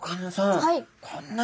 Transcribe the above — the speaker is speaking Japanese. はい。